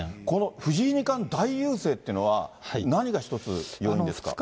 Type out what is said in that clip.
藤井二冠、大優勢というのは、何が一つ言えるんですか。